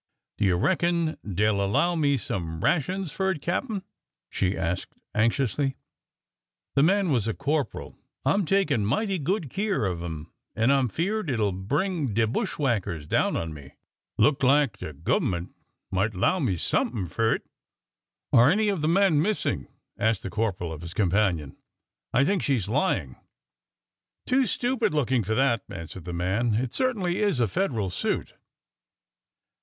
Do you reckon dey 'll 'low me some rations fur it, cap'n ?" she asked anxiously. The man was a corporal. I 'm takin' mighty good keer of 'im, an' I 'm 'feard it will bring de bushwhackers down on me. Look lak de gov'munt might 'low me somethin' fur it." '' Are any of the men missing ?" asked the corporal of his companion. '' I think she 's lying." Too stupid looking for that," answered the man. It certainly is a Federal suit."